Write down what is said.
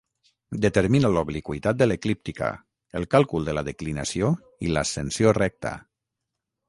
Determina l'obliqüitat de l'eclíptica, el càlcul de la declinació i l'ascensió recta.